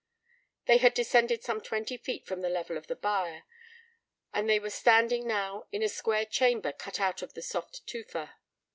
They had descended some twenty feet from the level of the byre, and they were standing now in a square chamber cut out of the soft tufa.